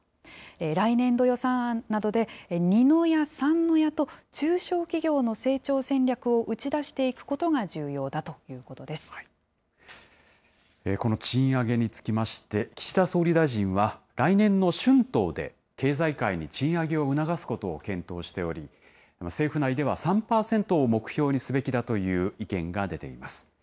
来年度予算案などで二の矢、三の矢と中小企業の成長戦略を打ち出していくことが重要だというこの賃上げにつきまして、岸田総理大臣は、来年の春闘で経済界に賃上げを促すことを検討しており、政府内では３％を目標にすべきだという意見が出ています。